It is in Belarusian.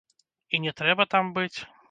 І не трэба там быць.